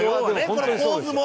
この構図も。